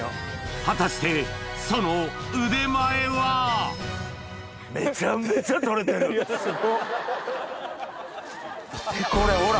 果たしてその腕前は見てこれほら。